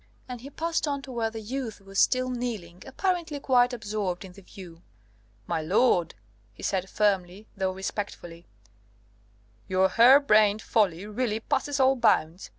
And he passed on to where the youth was still kneeling, apparently quite absorbed in the view. "My lord," he said firmly though respectfully, "your hair brained folly really passes all bounds.